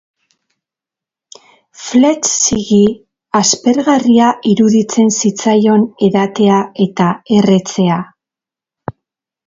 Flechsigi aspergarria iruditzen zitzaion edatea eta erretzea.